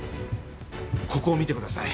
ここ見てください。